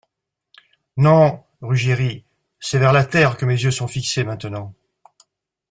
Non, Ruggieri, c’est vers la terre que mes yeux sont fixés maintenant.